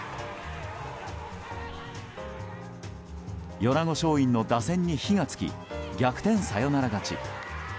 米子松蔭の打線に火が付き逆転サヨナラ勝ち。